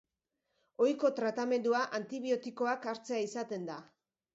Ohiko tratamendua antibiotikoak hartzea izaten da.